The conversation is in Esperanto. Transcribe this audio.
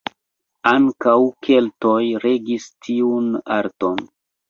Ankaŭ keltoj regis tiun arton.